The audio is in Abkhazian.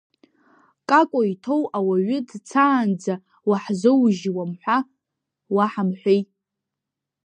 Како иҭоу ауаҩы дцаанӡа уаҳзоужьуам ҳәа уаҳамҳәеи!